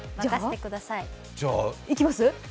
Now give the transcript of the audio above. じゃ、いきます？